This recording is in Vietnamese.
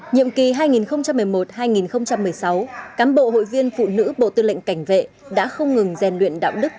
nhiệm kỳ hai nghìn một mươi một hai nghìn một mươi sáu cám bộ hội viên phụ nữ bộ tư lệnh cảnh vệ đã không ngừng rèn luyện đạo đức